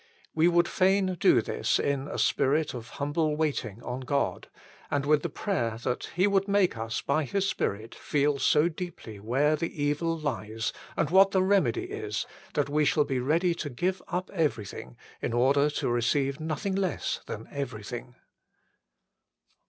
We would fain do this in a spirit of humble waiting on God, and with the prayer that He would make us by His Spirit feel so deeply where the evil lies and what the remedy is, that we shall be ready to give up everything in order to receive nothing less than everything.